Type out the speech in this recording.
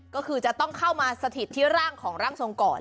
ก็คือจะต้องเข้ามาสถิตที่ร่างของร่างทรงก่อน